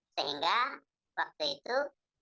sehingga waktu itu